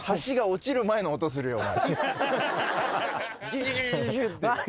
ギギギギギって。